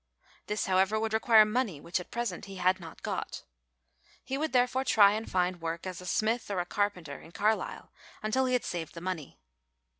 This, however, would require money which at present he had not got. He would therefore try and find work as a smith or a carpenter in Carlisle until he had saved the money.